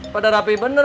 pada rapih bener